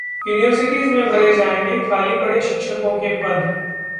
universities में भरे जाएंगे खाली पड़े शिक्षकों के पद